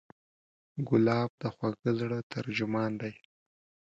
ګلاب د خوږه زړه ترجمان دی.